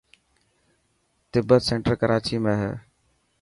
تبت سينٽر ڪراچي ۾ هي.